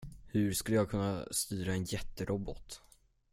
Hur ska jag kunna styra en jätterobot?